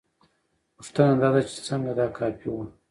پوښتنه دا ده چې څنګه دا کافي وه؟